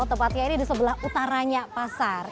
tepatnya ini di sebelah utaranya pasar